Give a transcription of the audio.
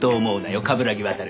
冠城亘。